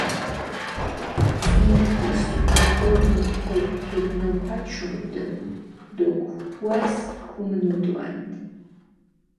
წინგის ოკოდუნ თექ გეგნოფაჩუნდჷ დო ქუას ქუმნოდვანდჷ.